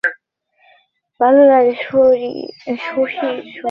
হঠাৎ কুন্দকে বড় ভালো লাগে শশীর।